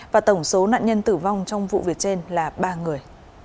và tổng số nạn nhân tử vong trong vụ việc trên là ba người